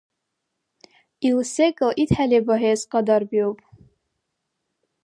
Ил секӀал итхӀели багьес кьадарбиуб.